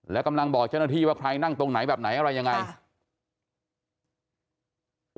แล้วกำลังบอกเจ้าหน้าที่ว่าใครนั่งตรงไหนแบบไหนอะไรยังไง